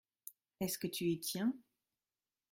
Est-ce que tu y tiens ?